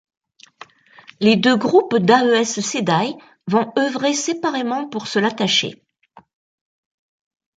Les deux groupes d'Aes Sedai vont œuvrer séparément pour se l'attacher.